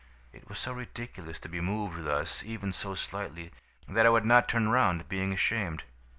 It was so ridiculous to be moved thus even so slightly, that I would not turn round, being ashamed.